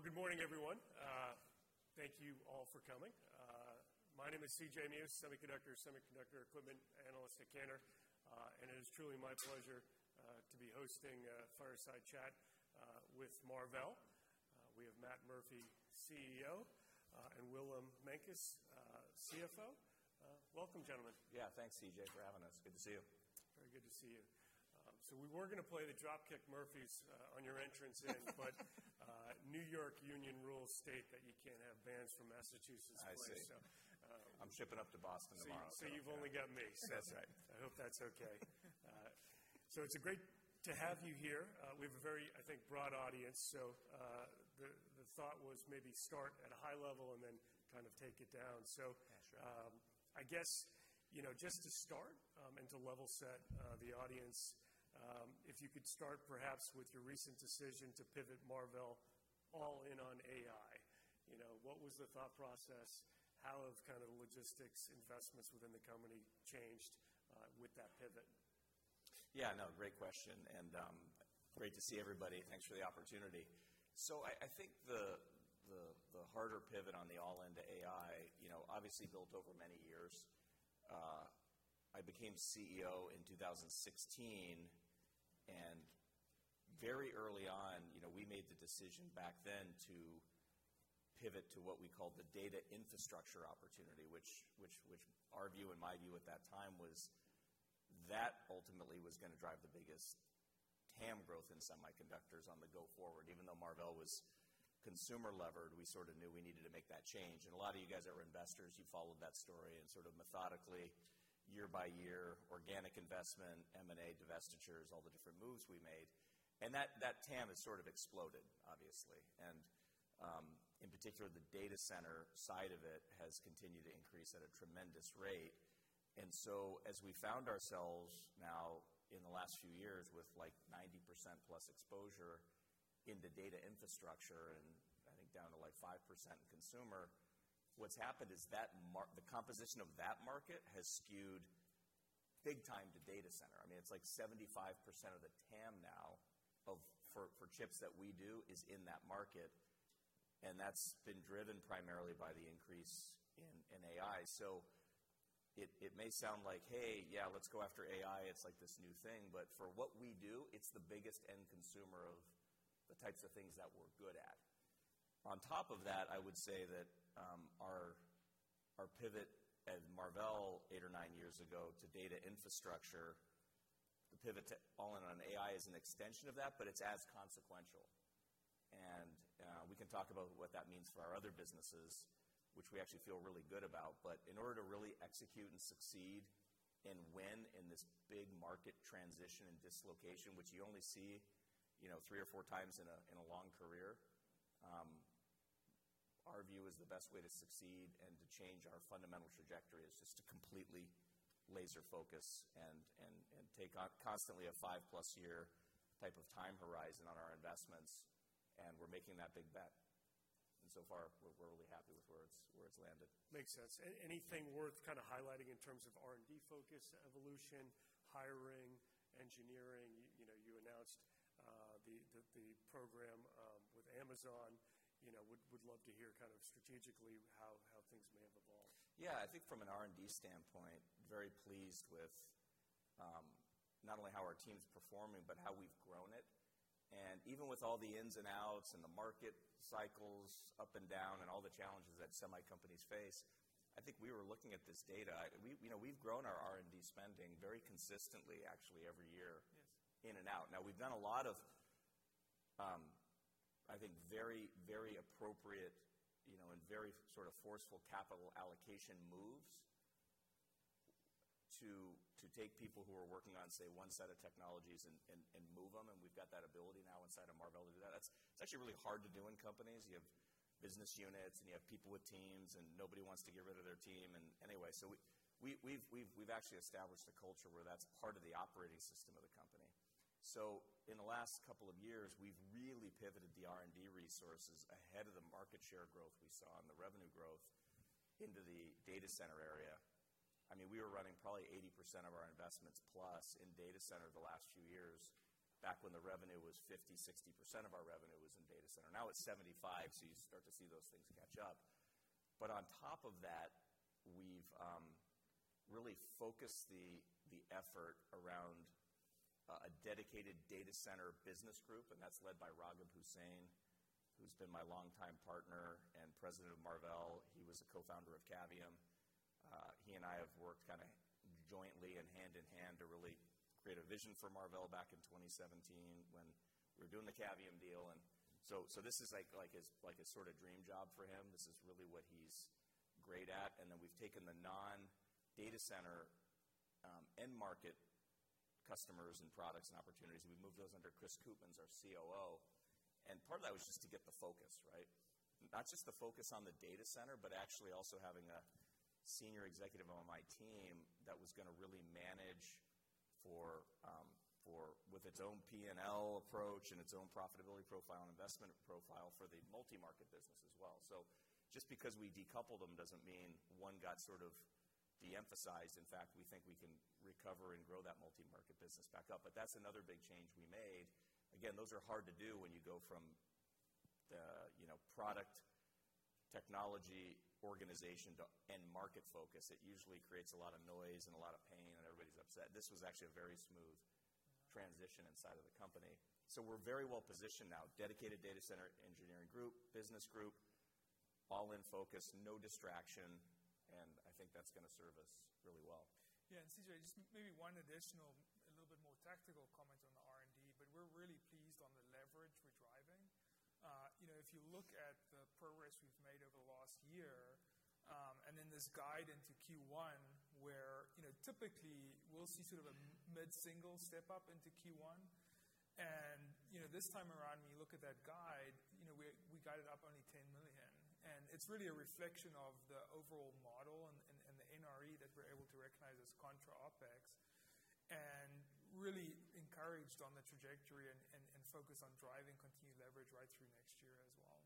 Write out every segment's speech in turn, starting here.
Good morning, everyone. Thank you all for coming. My name is CJ Muse, Semiconductor Equipment Analyst at Cantor Fitzgerald, and it is truly my pleasure to be hosting Fireside Chat with Marvell. We have Matt Murphy, CEO, and Willem Meintjes, CFO. Welcome, gentlemen. Yeah, thanks, CJ, for having us. Good to see you. Very good to see you. We were going to play the Dropkick Murphys on your entrance in, but New York union rules state that you can't have bands from Massachusetts play. I see. I'm shipping up to Boston tomorrow. You've only got me. That's right. I hope that's okay. It's great to have you here. We have a very, I think, broad audience. The thought was maybe start at a high level and then kind of take it down. I guess, you know, just to start, and to level set the audience, if you could start perhaps with your recent decision to pivot Marvell all in on AI. You know, what was the thought process? How have kind of the logistics investments within the company changed, with that pivot? Yeah, no, great question. Great to see everybody. Thanks for the opportunity. I think the harder pivot on the all into AI, you know, obviously built over many years. I became CEO in 2016, and very early on, you know, we made the decision back then to pivot to what we called the data infrastructure opportunity, which, in my view at that time, was that ultimately was going to drive the biggest TAM growth in semiconductors on the go-forward. Even though Marvell was consumer-levered, we sort of knew we needed to make that change. A lot of you guys that were investors, you followed that story and sort of methodically, year by year, organic investment, M&A divestitures, all the different moves we made. That TAM has sort of exploded, obviously. In particular, the data center side of it has continued to increase at a tremendous rate. As we found ourselves now in the last few years with like 90% plus exposure in the data infrastructure and I think down to like 5% consumer, what's happened is that the composition of that market has skewed big time to data center. I mean, it's like 75% of the TAM now for chips that we do is in that market. That's been driven primarily by the increase in AI. It may sound like, hey, yeah, let's go after AI. It's like this new thing. For what we do, it's the biggest end consumer of the types of things that we're good at. On top of that, I would say that our pivot at Marvell eight or nine years ago to data infrastructure, the pivot to all in on AI is an extension of that, but it is as consequential. We can talk about what that means for our other businesses, which we actually feel really good about. In order to really execute and succeed and win in this big market transition and dislocation, which you only see, you know, three or four times in a long career, our view is the best way to succeed and to change our fundamental trajectory is just to completely laser focus and take on constantly a five-plus year type of time horizon on our investments. We are making that big bet. So far, we are really happy with where it is, where it has landed. Makes sense. Anything worth kind of highlighting in terms of R&D focus, evolution, hiring, engineering? You know, you announced the program with Amazon. You know, would love to hear kind of strategically how things may have evolved. Yeah, I think from an R&D standpoint, very pleased with, not only how our team's performing, but how we've grown it. Even with all the ins and outs and the market cycles up and down and all the challenges that semi companies face, I think we were looking at this data. You know, we've grown our R&D spending very consistently, actually, every year in and out. Now, we've done a lot of, I think very, very appropriate, you know, and very sort of forceful capital allocation moves to take people who are working on, say, one set of technologies and move them. We've got that ability now inside of Marvell to do that. It's actually really hard to do in companies. You have business units and you have people with teams and nobody wants to get rid of their team. Anyway, we have actually established a culture where that's part of the operating system of the company. In the last couple of years, we've really pivoted the R&D resources ahead of the market share growth we saw and the revenue growth into the data center area. I mean, we were running probably 80% of our investments plus in data center the last few years, back when the revenue was 50-60% of our revenue in data center. Now it's 75%. You start to see those things catch up. On top of that, we've really focused the effort around a dedicated data center business group. That's led by Raghib Hussain, who's been my longtime partner and President of Marvell. He was a co-founder of Cavium. He and I have worked kind of jointly and hand in hand to really create a vision for Marvell back in 2017 when we were doing the Cavium deal. This is like his sort of dream job for him. This is really what he's great at. We have taken the non-data center end market customers and products and opportunities and moved those under Chris Koopmans, our COO. Part of that was just to get the focus right, not just the focus on the data center, but actually also having a senior executive on my team that was going to really manage with its own P&L approach and its own profitability profile and investment profile for the multi-market business as well. Just because we decoupled them does not mean one got sort of de-emphasized. In fact, we think we can recover and grow that multi-market business back up. That is another big change we made. Again, those are hard to do when you go from the, you know, product technology organization to end market focus. It usually creates a lot of noise and a lot of pain and everybody's upset. This was actually a very smooth transition inside of the company. We are very well positioned now. Dedicated data center engineering group, business group, all in focus, no distraction. I think that is going to serve us really well. Yeah. And CJ, just maybe one additional, a little bit more tactical comment on the R&D, but we're really pleased on the leverage we're driving. You know, if you look at the progress we've made over the last year, and then this guide into Q1, where, you know, typically we'll see sort of a mid-single step up into Q1. You know, this time around, when you look at that guide, we guided up only $10 million. It's really a reflection of the overall model and the NRE that we're able to recognize as contra OpEx and really encouraged on the trajectory and focus on driving continued leverage right through next year as well.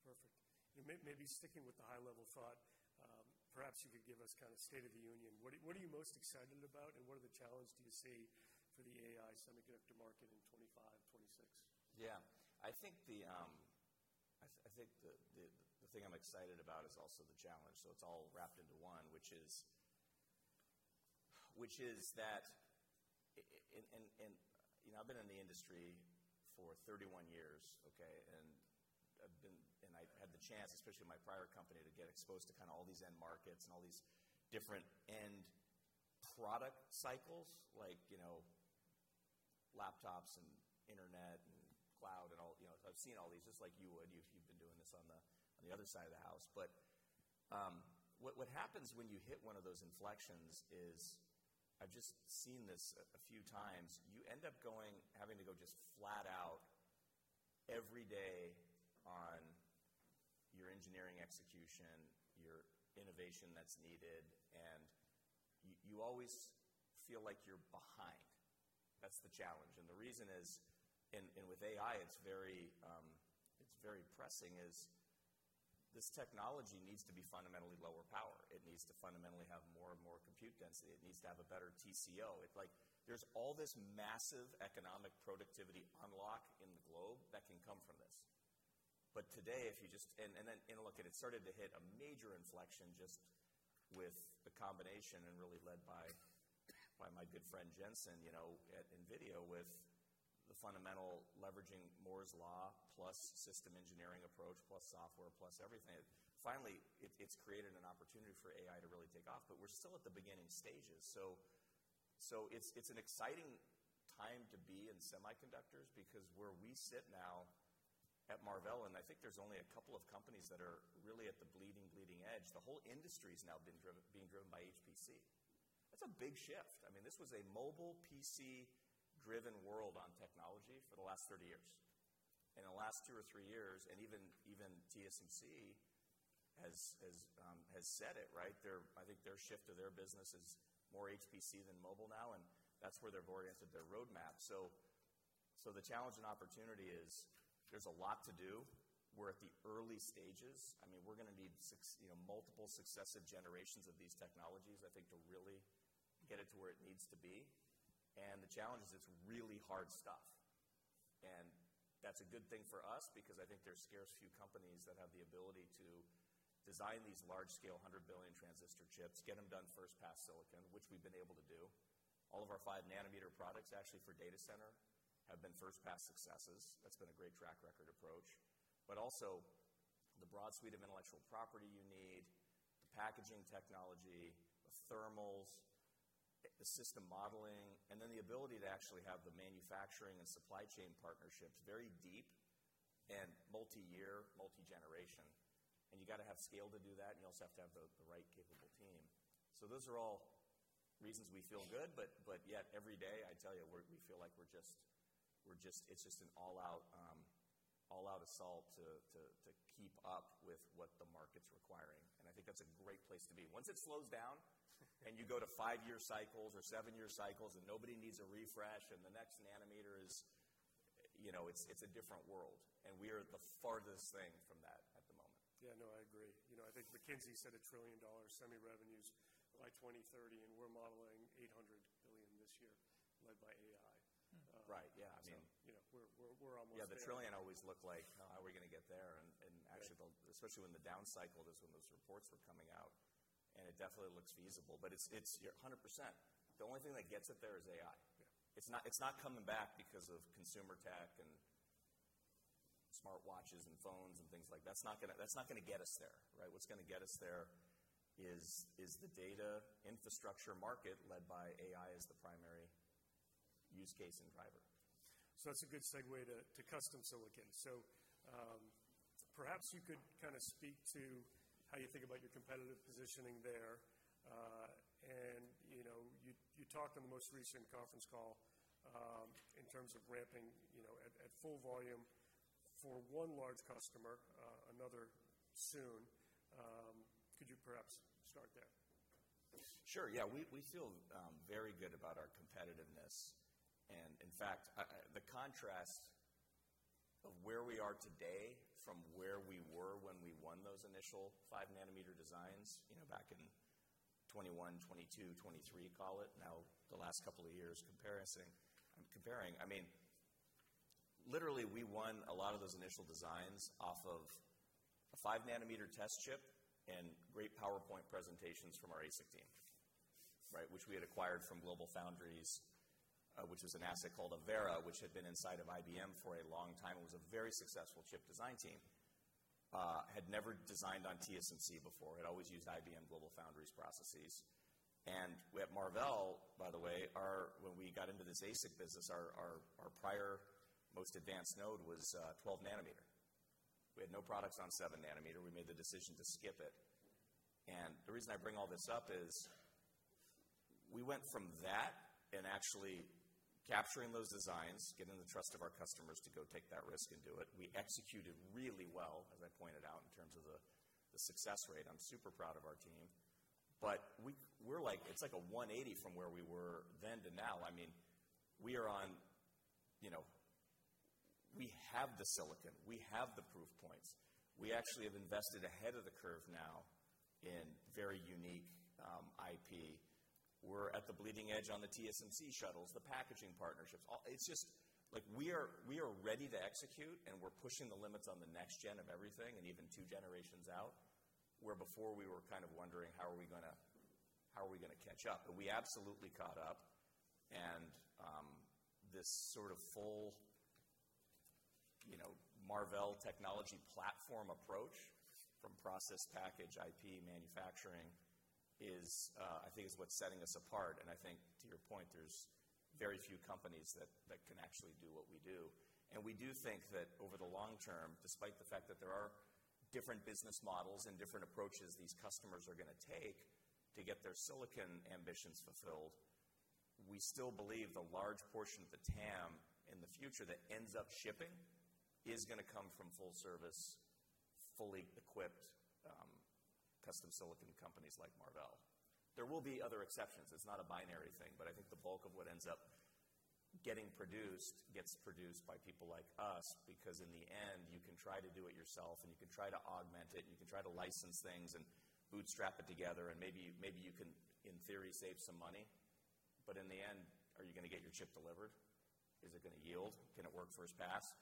Perfect. You know, maybe sticking with the high-level thought, perhaps you could give us kind of state of the union. What do you, what are you most excited about and what are the challenges do you see for the AI semiconductor market in 2025, 2026? Yeah, I think the thing I'm excited about is also the challenge. It's all wrapped into one, which is that, and, you know, I've been in the industry for 31 years, okay? I've had the chance, especially in my prior company, to get exposed to kind of all these end markets and all these different end product cycles, like, you know, laptops and internet and cloud and all, you know, I've seen all these just like you would. You've been doing this on the other side of the house. What happens when you hit one of those inflections is I've just seen this a few times. You end up having to go just flat out every day on your engineering execution, your innovation that's needed. You always feel like you're behind. That's the challenge. The reason is, and with AI, it's very pressing, is this technology needs to be fundamentally lower power. It needs to fundamentally have more and more compute density. It needs to have a better TCO. It's like there's all this massive economic productivity unlock in the globe that can come from this. Today, if you just, and then, look, it started to hit a major inflection just with the combination and really led by my good friend Jensen, you know, at NVIDIA with the fundamental leveraging Moore's law plus system engineering approach plus software plus everything. Finally, it's created an opportunity for AI to really take off, but we're still at the beginning stages. It's an exciting time to be in semiconductors because where we sit now at Marvell, and I think there's only a couple of companies that are really at the bleeding, bleeding edge. The whole industry has now been driven, being driven by HPC. That's a big shift. I mean, this was a mobile PC-driven world on technology for the last 30 years. In the last two or three years, and even TSMC has said it, right? I think their shift to their business is more HPC than mobile now. That's where they've oriented their roadmap. The challenge and opportunity is there's a lot to do. We're at the early stages. I mean, we're going to need six, you know, multiple successive generations of these technologies, I think, to really get it to where it needs to be. The challenge is it's really hard stuff. That's a good thing for us because I think there's scarce few companies that have the ability to design these large-scale hundred billion transistor chips, get them done first pass silicon, which we've been able to do. All of our five nanometer products, actually, for data center have been first-pass successes. That's been a great track record approach. Also, the broad suite of intellectual property you need, the packaging technology, the thermals, the system modeling, and then the ability to actually have the manufacturing and supply chain partnerships very deep and multi-year, multi-generation. You have to have scale to do that, and you also have to have the right capable team. Those are all reasons we feel good, but yet every day I tell you, we feel like we're just, we're just, it's just an all-out, all-out assault to keep up with what the market's requiring. I think that's a great place to be. Once it slows down and you go to five-year cycles or seven-year cycles and nobody needs a refresh and the next nanometer is, you know, it's a different world. We are the farthest thing from that at the moment. Yeah, no, I agree. You know, I think McKinsey said a trillion dollars semi-revenues by 2030, and we're modeling $800 billion this year led by AI. Right. Yeah. I mean. You know, we're almost there. Yeah, the trillion always looked like, oh, how are we going to get there? Actually, especially when the down cycle is when those reports were coming out. It definitely looks feasible, but it's 100%. The only thing that gets it there is AI. It's not coming back because of consumer tech and smart watches and phones and things like that. That's not going to get us there, right? What's going to get us there is the data infrastructure market led by AI as the primary use case and driver. That's a good segue to custom silicon. Perhaps you could kind of speak to how you think about your competitive positioning there, and, you know, you talked on the most recent conference call, in terms of ramping, you know, at full volume for one large customer, another soon. Could you perhaps start there? Sure. Yeah. We feel very good about our competitiveness. In fact, the contrast of where we are today from where we were when we won those initial five nanometer designs, you know, back in 2021, 2022, 2023, call it, now the last couple of years, comparing, I'm comparing, I mean, literally we won a lot of those initial designs off of a five nanometer test chip and great PowerPoint presentations from our ASIC team, right? Which we had acquired from GlobalFoundries, which was an asset called Avera, which had been inside of IBM for a long time. It was a very successful chip design team, had never designed on TSMC before. It always used IBM GlobalFoundries processes. At Marvell, by the way, when we got into this ASIC business, our prior most advanced node was 12 nanometer. We had no products on seven nanometer. We made the decision to skip it. The reason I bring all this up is we went from that and actually capturing those designs, getting the trust of our customers to go take that risk and do it. We executed really well, as I pointed out, in terms of the success rate. I'm super proud of our team. We were like, it's like a 180 from where we were then to now. I mean, we are on, you know, we have the silicon. We have the proof points. We actually have invested ahead of the curve now in very unique IP. We're at the bleeding edge on the TSMC shuttles, the packaging partnerships. It's just like we are, we are ready to execute and we're pushing the limits on the next gen of everything and even two generations out where before we were kind of wondering how are we going to, how are we going to catch up. We absolutely caught up. This sort of full, you know, Marvell Technology platform approach from process, package, IP, manufacturing is, I think, is what's setting us apart. I think to your point, there's very few companies that can actually do what we do. We do think that over the long term, despite the fact that there are different business models and different approaches these customers are going to take to get their silicon ambitions fulfilled, we still believe the large portion of the TAM in the future that ends up shipping is going to come from full service, fully equipped, custom silicon companies like Marvell. There will be other exceptions. It is not a binary thing, but I think the bulk of what ends up getting produced gets produced by people like us because in the end, you can try to do it yourself and you can try to augment it and you can try to license things and bootstrap it together. Maybe, maybe you can, in theory, save some money. In the end, are you going to get your chip delivered? Is it going to yield? Can it work first pass?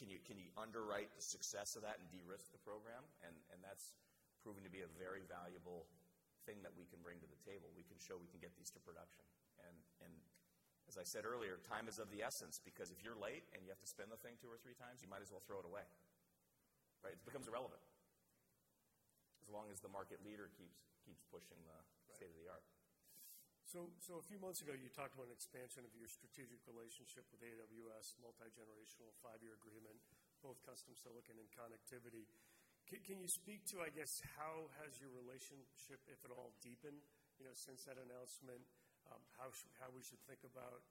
Can you, can you underwrite the success of that and de-risk the program? That has proven to be a very valuable thing that we can bring to the table. We can show we can get these to production. As I said earlier, time is of the essence because if you're late and you have to spin the thing two or three times, you might as well throw it away, right? It becomes irrelevant as long as the market leader keeps pushing the state of the art. A few months ago, you talked about an expansion of your strategic relationship with AWS, multi-generational, five-year agreement, both custom silicon and connectivity. Can you speak to, I guess, how has your relationship, if at all, deepened, you know, since that announcement, how we should think about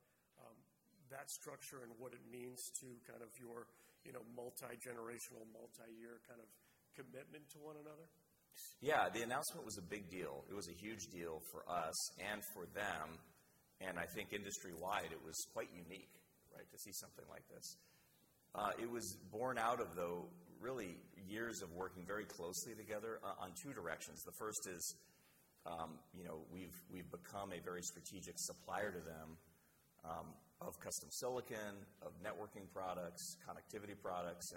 that structure and what it means to kind of your, you know, multi-generational, multi-year kind of commitment to one another? Yeah, the announcement was a big deal. It was a huge deal for us and for them. I think industry-wide, it was quite unique, right, to see something like this. It was born out of, though, really years of working very closely together on two directions. The first is, you know, we've become a very strategic supplier to them, of custom silicon, of networking products, connectivity products.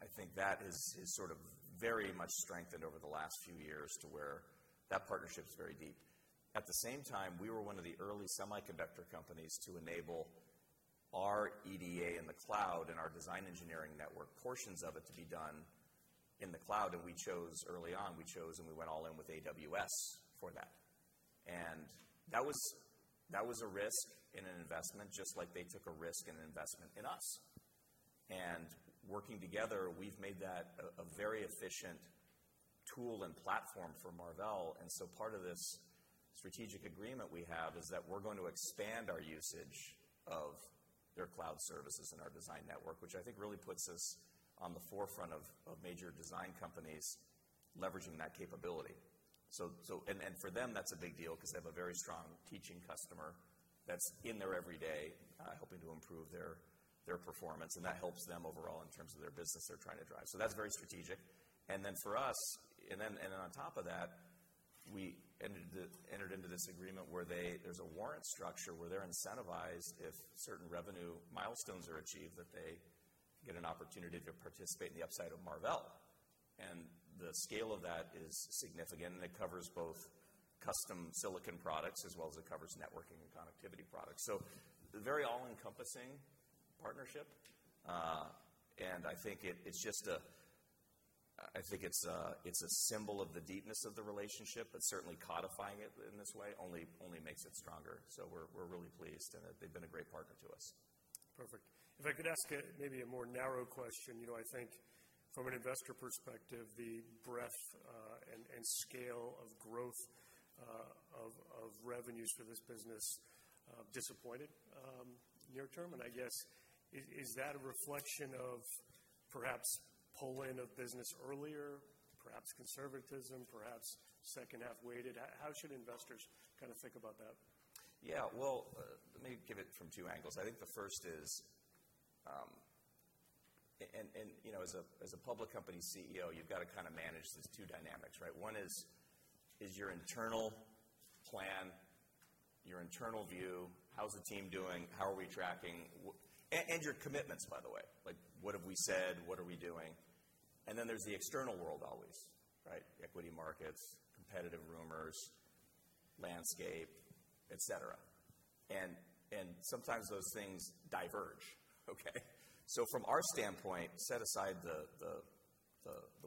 I think that is sort of very much strengthened over the last few years to where that partnership's very deep. At the same time, we were one of the early semiconductor companies to enable our EDA in the cloud and our design engineering network portions of it to be done in the cloud. We chose early on, we chose and we went all in with AWS for that. That was a risk in an investment, just like they took a risk in an investment in us. Working together, we've made that a very efficient tool and platform for Marvell. Part of this strategic agreement we have is that we're going to expand our usage of their cloud services and our design network, which I think really puts us on the forefront of major design companies leveraging that capability. For them, that's a big deal because they have a very strong teaching customer that's in there every day, helping to improve their performance. That helps them overall in terms of their business they're trying to drive. That is very strategic. For us, and then on top of that, we entered into this agreement where they, there's a warrant structure where they're incentivized if certain revenue milestones are achieved that they get an opportunity to participate in the upside of Marvell. The scale of that is significant and it covers both custom silicon products as well as it covers networking and connectivity products. Very all-encompassing partnership. I think it's just a, I think it's a symbol of the deepness of the relationship, but certainly codifying it in this way only makes it stronger. We're really pleased and they've been a great partner to us. Perfect. If I could ask maybe a more narrow question, you know, I think from an investor perspective, the breadth, and scale of growth, of revenues for this business, disappointed, near term. I guess, is that a reflection of perhaps pull-in of business earlier, perhaps conservatism, perhaps second half weighted? How should investors kind of think about that? Yeah. Let me give it from two angles. I think the first is, and, you know, as a public company CEO, you've got to kind of manage these two dynamics, right? One is your internal plan, your internal view, how's the team doing, how are we tracking, and your commitments, by the way, like what have we said, what are we doing? Then there's the external world always, right? Equity markets, competitive rumors, landscape, et cetera. Sometimes those things diverge, okay? From our standpoint, set aside the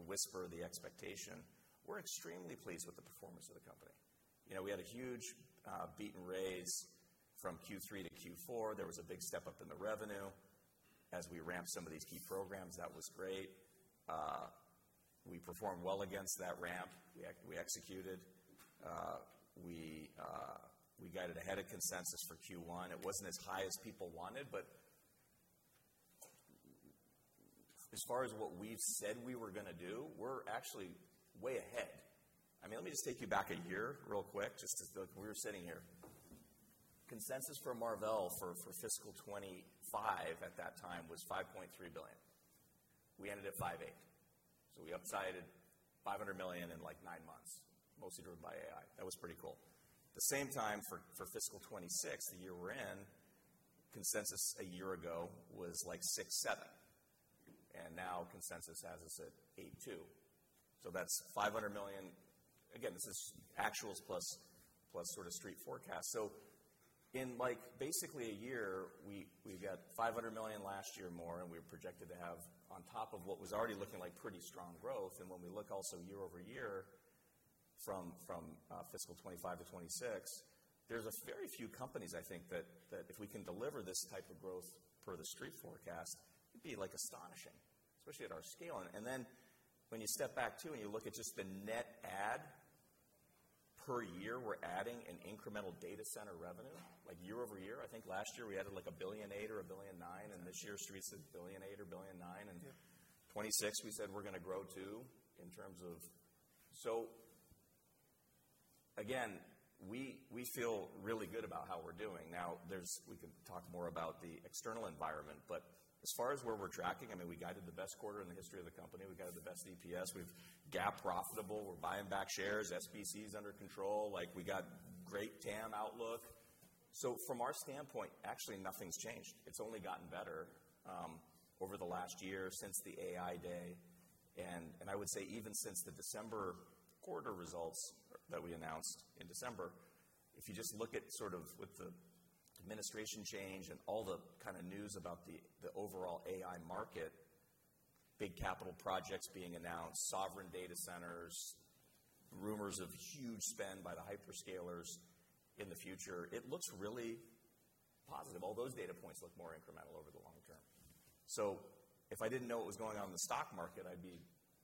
whisper, the expectation, we're extremely pleased with the performance of the company. You know, we had a huge beat and raise from Q3 to Q4. There was a big step up in the revenue. As we ramped some of these key programs, that was great. We performed well against that ramp. We executed. We guided ahead of consensus for Q1. It wasn't as high as people wanted, but as far as what we said we were going to do, we're actually way ahead. I mean, let me just take you back a year real quick, just to look, we were sitting here. Consensus for Marvell for fiscal 2025 at that time was $5.3 billion. We ended at $5.8 billion. So we upsided $500 million in like nine months, mostly driven by AI. That was pretty cool. At the same time for fiscal 2026, the year we're in, consensus a year ago was like $6.7 billion. And now consensus has us at $8.2 billion. So that's $500 million. Again, this is actuals plus sort of street forecasts. In basically a year, we got $500 million last year more than we were projected to have on top of what was already looking like pretty strong growth. When we look also year over year from fiscal 2025 to 2026, there are very few companies I think that, if we can deliver this type of growth per the street forecast, it would be astonishing, especially at our scale. When you step back too and you look at just the net add per year, we are adding incremental data center revenue year over year. I think last year we added like $1.8 billion or $1.9 billion. This year street said $1.8 billion or $1.9 billion. In 2026 we said we are going to grow too in terms of that. Again, we feel really good about how we are doing. Now, we can talk more about the external environment, but as far as where we're tracking, I mean, we guided the best quarter in the history of the company. We got the best EPS. We've GAAP profitable. We're buying back shares. SBC is under control. Like we got great TAM outlook. From our standpoint, actually nothing's changed. It's only gotten better over the last year since the AI day. I would say even since the December quarter results that we announced in December, if you just look at sort of with the administration change and all the kind of news about the overall AI market, big capital projects being announced, sovereign data centers, rumors of huge spend by the hyperscalers in the future, it looks really positive. All those data points look more incremental over the long term. If I did not know what was going on in the stock market, I would be,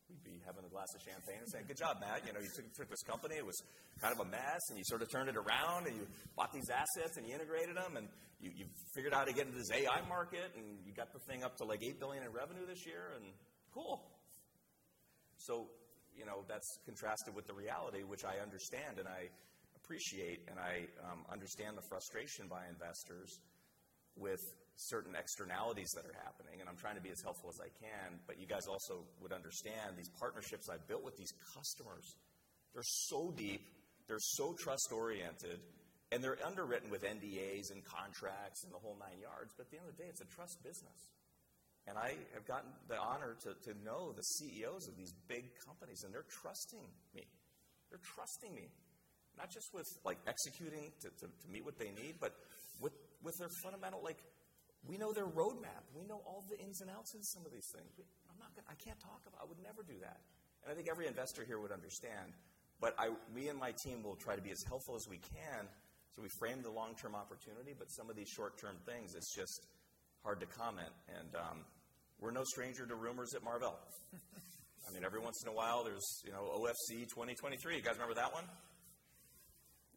we would be having a glass of champagne and saying, "Good job, Matt. You know, you took this company. It was kind of a mess and you sort of turned it around and you bought these assets and you integrated them and you, you figured out how to get into this AI market and you got the thing up to like $8 billion in revenue this year and cool." You know, that is contrasted with the reality, which I understand and I appreciate and I understand the frustration by investors with certain externalities that are happening. I am trying to be as helpful as I can, but you guys also would understand these partnerships I have built with these customers. They are so deep. They're so trust oriented and they're underwritten with NDAs and contracts and the whole nine yards. At the end of the day, it's a trust business. I have gotten the honor to know the CEOs of these big companies and they're trusting me. They're trusting me, not just with like executing to meet what they need, but with their fundamental, like we know their roadmap. We know all the ins and outs of some of these things. I'm not going to, I can't talk about, I would never do that. I think every investor here would understand, but me and my team will try to be as helpful as we can. We framed the long-term opportunity, but some of these short-term things, it's just hard to comment. We're no stranger to rumors at Marvell. I mean, every once in a while there's, you know, OFC 2023. You guys remember that one?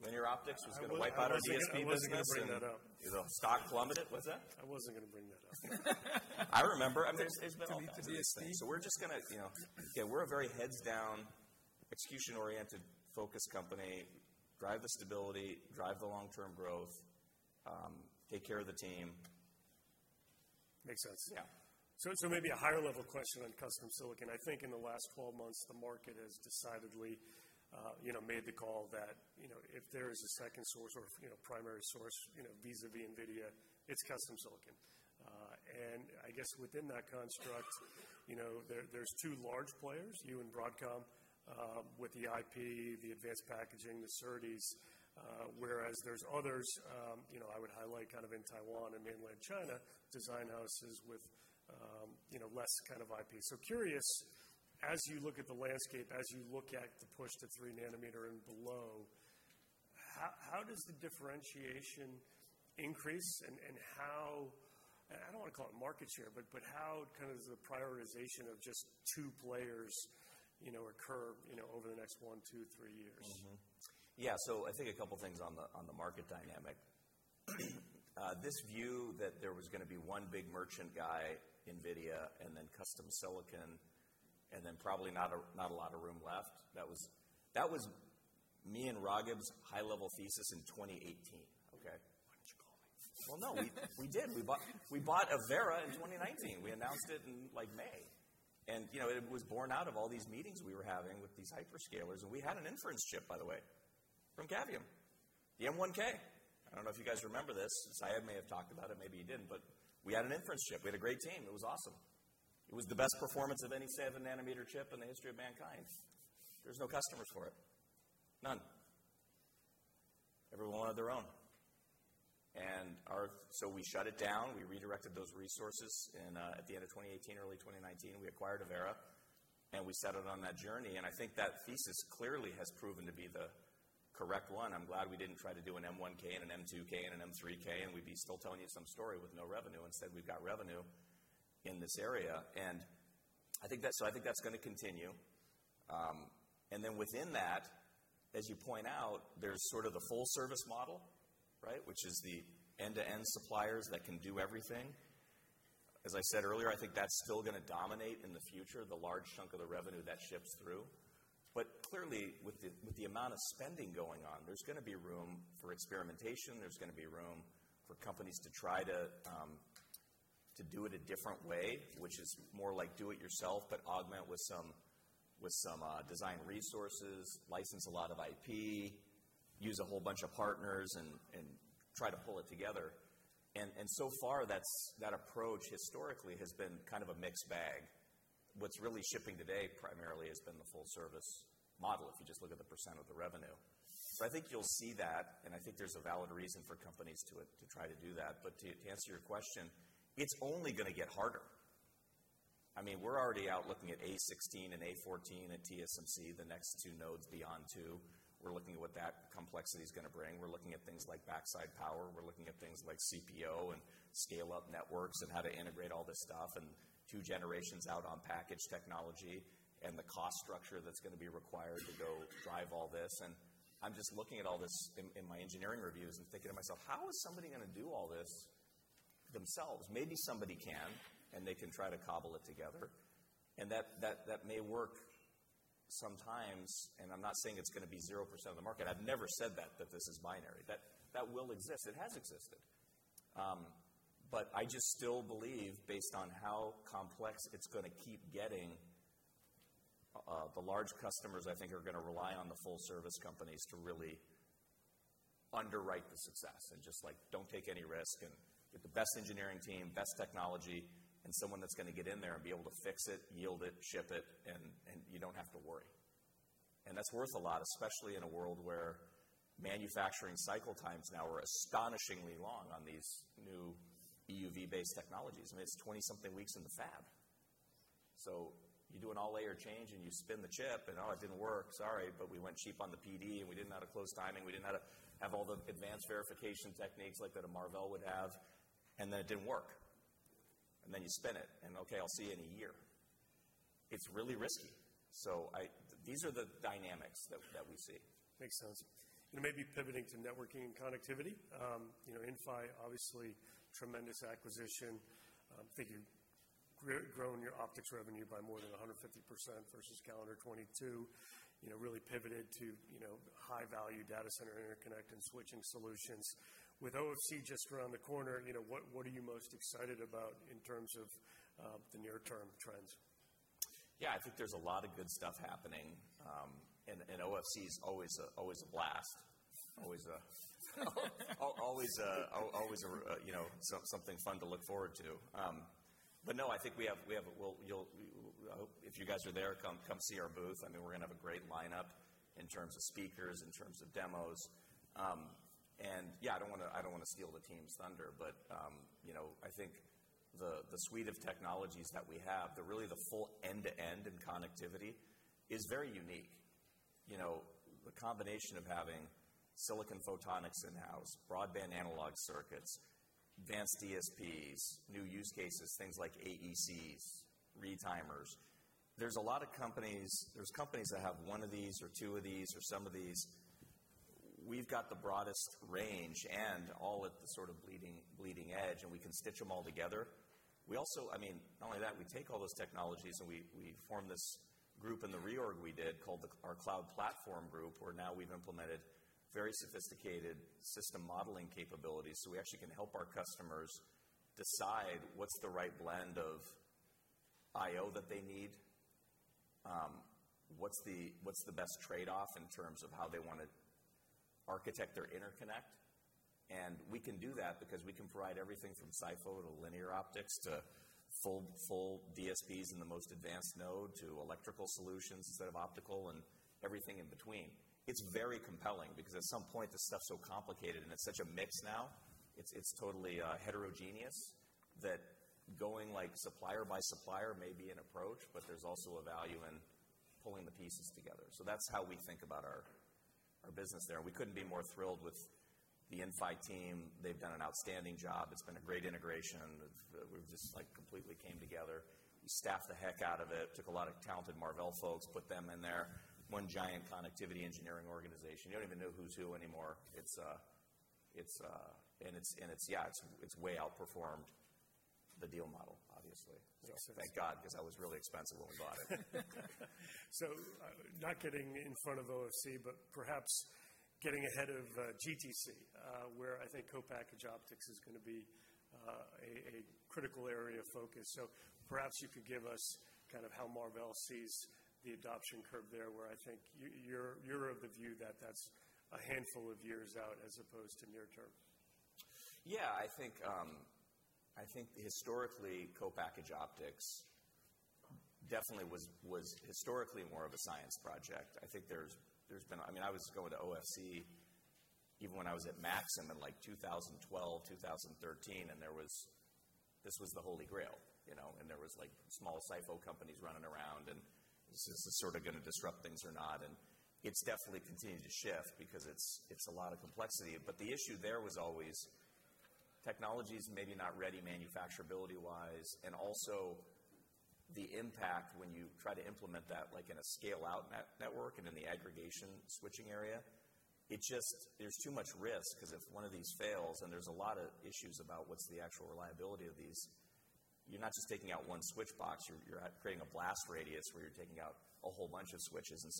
Linear Optics was going to wipe out our DSP. I wasn't going to bring that up. Stock plummeted. What's that? I wasn't going to bring that up. I remember. I mean, it's been a long time. We're just going to, you know, again, we're a very heads down, execution oriented, focus company. Drive the stability, drive the long-term growth, take care of the team. Makes sense. Yeah. Maybe a higher level question on custom silicon. I think in the last 12 months, the market has decidedly, you know, made the call that, you know, if there is a second source or, you know, primary source, you know, vis-à-vis NVIDIA, it's custom silicon. I guess within that construct, you know, there, there's two large players, you and Broadcom, with the IP, the advanced packaging, the SerDes, whereas there's others, you know, I would highlight kind of in Taiwan and mainland China, design houses with, you know, less kind of IP. Curious, as you look at the landscape, as you look at the push to three nanometer and below, how does the differentiation increase, and how, and I do not want to call it market share, but how kind of the prioritization of just two players, you know, occur, you know, over the next one, two, three years? Mm-hmm. Yeah. I think a couple of things on the market dynamic. This view that there was going to be one big merchant guy, NVIDIA, and then custom silicon, and then probably not a lot of room left. That was me and Raghib's high level thesis in 2018, okay? Why don't you call me? No, we did. We bought Avera in 2019. We announced it in like May. You know, it was born out of all these meetings we were having with these hyperscalers. We had an inference chip, by the way, from Cavium, the M1K. I do not know if you guys remember this. Syed may have talked about it. Maybe he did not, but we had an inference chip. We had a great team. It was awesome. It was the best performance of any seven nanometer chip in the history of mankind. There were no customers for it. None. Everyone wanted their own. Our, so we shut it down. We redirected those resources in, at the end of 2018, early 2019, we acquired Avera and we set it on that journey. I think that thesis clearly has proven to be the correct one. I'm glad we didn't try to do an M1K and an M2K and an M3K and we'd be still telling you some story with no revenue. Instead, we've got revenue in this area. I think that, so I think that's going to continue. Then within that, as you point out, there's sort of the full service model, right? Which is the end-to-end suppliers that can do everything. As I said earlier, I think that's still going to dominate in the future, the large chunk of the revenue that ships through. Clearly with the amount of spending going on, there's going to be room for experimentation. There's going to be room for companies to try to do it a different way, which is more like do it yourself, but augment with some design resources, license a lot of IP, use a whole bunch of partners and try to pull it together. So far, that approach historically has been kind of a mixed bag. What's really shipping today primarily has been the full service model if you just look at the % of the revenue. I think you'll see that. I think there's a valid reason for companies to try to do that. To answer your question, it's only going to get harder. I mean, we're already out looking at A16 and A14 at TSMC, the next two nodes beyond two. We're looking at what that complexity is going to bring. We're looking at things like backside power. We're looking at things like CPO and scale-up networks and how to integrate all this stuff and two generations out on package technology and the cost structure that's going to be required to go drive all this. I'm just looking at all this in my engineering reviews and thinking to myself, how is somebody going to do all this themselves? Maybe somebody can and they can try to cobble it together. That may work sometimes. I'm not saying it's going to be 0% of the market. I've never said that this is binary. That will exist. It has existed. I just still believe based on how complex it's going to keep getting, the large customers I think are going to rely on the full service companies to really underwrite the success and just like, don't take any risk and get the best engineering team, best technology, and someone that's going to get in there and be able to fix it, yield it, ship it, and you don't have to worry. That's worth a lot, especially in a world where manufacturing cycle times now are astonishingly long on these new EUV-based technologies. I mean, it's 20 something weeks in the fab. You do an all-layer change and you spin the chip and, oh, it didn't work. Sorry, but we went cheap on the PD and we didn't have close timing. We didn't have to have all the advanced verification techniques like that a Marvell would have. It did not work. Then you spin it and, okay, I'll see you in a year. It is really risky. These are the dynamics that we see. Makes sense. Maybe pivoting to networking and connectivity. You know, Inphi, obviously tremendous acquisition. I think you've grown your optics revenue by more than 150% versus calendar 2022. You know, really pivoted to, you know, high-value data center interconnect and switching solutions with OFC just around the corner. You know, what are you most excited about in terms of the near-term trends? Yeah. I think there's a lot of good stuff happening, and OFC is always a blast. Always a, always a, you know, something fun to look forward to. I think we have, we'll, you'll, if you guys are there, come see our booth. I mean, we're going to have a great lineup in terms of speakers, in terms of demos. Yeah, I don't want to steal the team's thunder, but, you know, I think the suite of technologies that we have, really the full end-to-end in connectivity, is very unique. You know, the combination of having silicon photonics in-house, broadband analog circuits, advanced DSPs, new use cases, things like AECs, retimers. There's a lot of companies, there's companies that have one of these or two of these or some of these. We've got the broadest range and all at the sort of bleeding, bleeding edge and we can stitch them all together. We also, I mean, not only that, we take all those technologies and we formed this group in the reorg we did called our Cloud Platform Group where now we've implemented very sophisticated system modeling capabilities. So we actually can help our customers decide what's the right blend of IO that they need. What's the best trade-off in terms of how they want to architect their interconnect? We can do that because we can provide everything from SiPh to Linear Optics to full, full DSPs in the most advanced node to electrical solutions instead of optical and everything in between. It's very compelling because at some point the stuff's so complicated and it's such a mix now. It's totally heterogeneous. Going like supplier by supplier may be an approach, but there's also a value in pulling the pieces together. That is how we think about our business there. We could not be more thrilled with the Inphi team. They have done an outstanding job. It has been a great integration. We just completely came together. We staffed the heck out of it. Took a lot of talented Marvell folks, put them in there. One giant connectivity engineering organization. You do not even know who is who anymore. It is way outperformed the deal model, obviously. Thank God because that was really expensive when we bought it. Not getting in front of OFC, but perhaps getting ahead of GTC, where I think co-packaged optics is going to be a critical area of focus. Perhaps you could give us kind of how Marvell sees the adoption curve there, where I think you're of the view that that's a handful of years out as opposed to near-term. Yeah. I think, I think historically co-packaged optics definitely was, was historically more of a science project. I think there's, there's been, I mean, I was going to OFC even when I was at Maxim in like 2012, 2013, and there was, this was the Holy Grail, you know, and there was like small SiPh companies running around and this is sort of going to disrupt things or not. It's definitely continued to shift because it's, it's a lot of complexity. The issue there was always technologies maybe not ready manufacturability-wise and also the impact when you try to implement that like in a scale-out network and in the aggregation switching area. It just, there's too much risk because if one of these fails and there's a lot of issues about what's the actual reliability of these, you're not just taking out one switch box. You're creating a blast radius where you're taking out a whole bunch of switches. The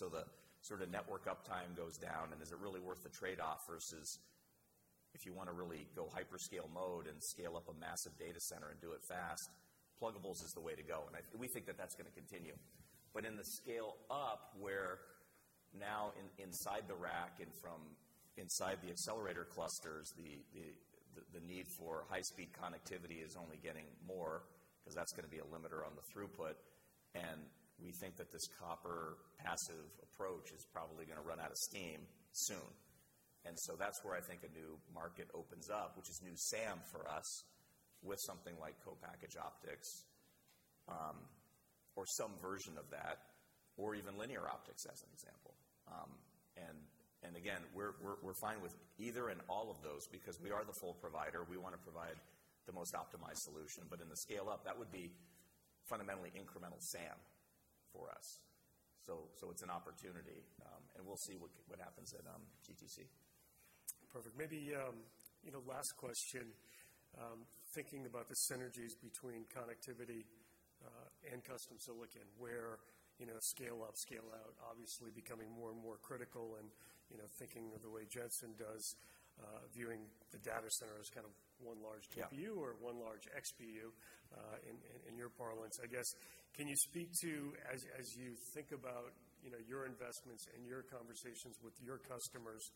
sort of network uptime goes down and is it really worth the trade-off versus if you want to really go hyperscale mode and scale up a massive data center and do it fast, pluggables is the way to go. We think that that's going to continue. In the scale-up where now inside the rack and from inside the accelerator clusters, the need for high-speed connectivity is only getting more because that's going to be a limiter on the throughput. We think that this copper passive approach is probably going to run out of steam soon. That's where I think a new market opens up, which is new SAM for us with something like co-packaged optics, or some version of that, or even Linear Optics as an example. We're fine with either and all of those because we are the full provider. We want to provide the most optimized solution. In the scale-up, that would be fundamentally incremental SAM for us. It's an opportunity, and we'll see what happens at GTC. Perfect. Maybe, you know, last question, thinking about the synergies between connectivity and custom silicon where, you know, scale-up, scale-out obviously becoming more and more critical and, you know, thinking of the way Jensen does, viewing the data center as kind of one large GPU or one large XPU, in, in your parlance. I guess, can you speak to, as you think about, you know, your investments and your conversations with your customers,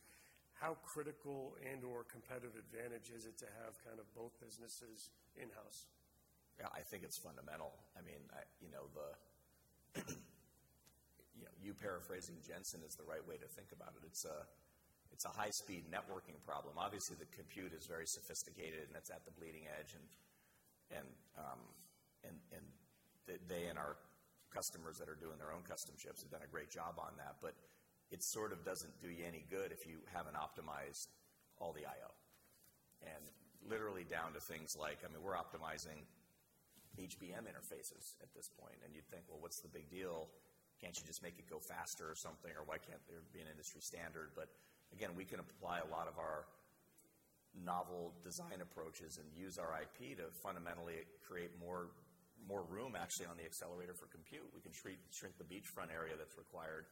how critical and/or competitive advantage is it to have kind of both businesses in-house? Yeah. I think it's fundamental. I mean, I, you know, you paraphrasing Jensen is the right way to think about it. It's a high-speed networking problem. Obviously, the compute is very sophisticated and it's at the bleeding edge and they and our customers that are doing their own custom chips have done a great job on that. It sort of doesn't do you any good if you haven't optimized all the IO. Literally down to things like, I mean, we're optimizing HBM interfaces at this point. You'd think, what's the big deal? Can't you just make it go faster or something? Or why can't there be an industry standard? Again, we can apply a lot of our novel design approaches and use our IP to fundamentally create more room actually on the accelerator for compute. We can shrink the beachfront area that's required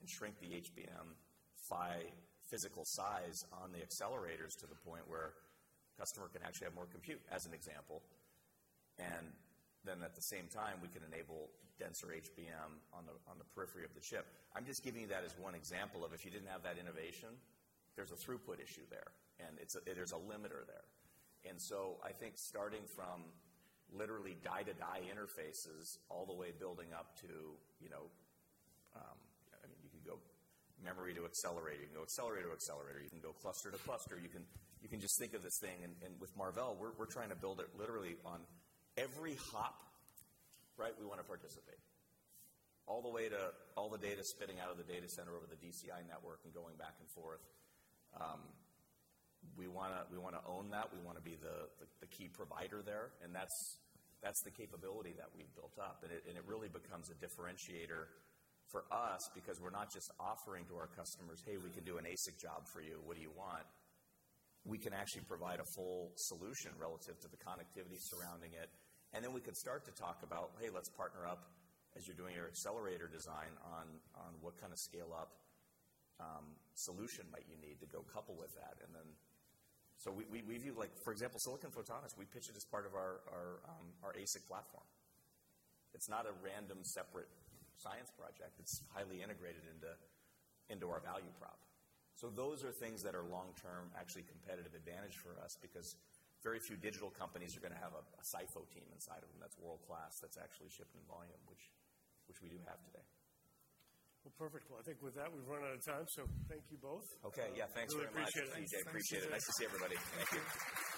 and shrink the HBM physical size on the accelerators to the point where the customer can actually have more compute as an example. At the same time, we can enable denser HBM on the periphery of the chip. I'm just giving you that as one example of if you didn't have that innovation, there's a throughput issue there and it's a limiter there. I think starting from literally die-to-die interfaces all the way building up to, you know, I mean, you can go memory to accelerator, you can go accelerator to accelerator, you can go cluster to cluster. You can just think of this thing and, and with Marvell, we're trying to build it literally on every hop, right? We want to participate all the way to all the data spitting out of the data center over the DCI network and going back and forth. We want to, we want to own that. We want to be the, the key provider there. That is the capability that we have built up. It really becomes a differentiator for us because we are not just offering to our customers, hey, we can do an ASIC job for you. What do you want? We can actually provide a full solution relative to the connectivity surrounding it. Then we could start to talk about, hey, let's partner up as you are doing your accelerator design on what kind of scale-up solution you might need to go couple with that. We view, like, for example, silicon photonics, we pitch it as part of our ASIC platform. It is not a random separate science project. It is highly integrated into our value prop. Those are things that are long-term actually competitive advantage for us because very few digital companies are going to have a SiPh team inside of them that is world-class, that is actually shipping volume, which we do have today. Perfect. I think with that, we've run out of time. Thank you both. Okay. Yeah. Thanks very much. We appreciate it. Appreciate it. Nice to see everybody. Thank you.